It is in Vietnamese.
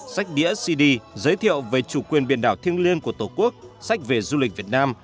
sách đĩa cd giới thiệu về chủ quyền biển đảo thiêng liêng của tổ quốc sách về du lịch việt nam